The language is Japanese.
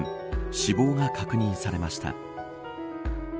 死亡が確認されました。